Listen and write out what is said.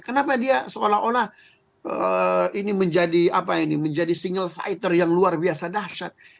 kenapa dia seolah olah ini menjadi single fighter yang luar biasa dahsyat